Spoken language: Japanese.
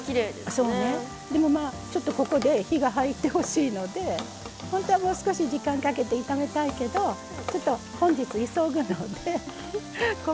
でもまあちょっとここで火が入ってほしいのでほんとはもう少し時間かけて炒めたいけどちょっと本日急ぐのでここでバターもありますか？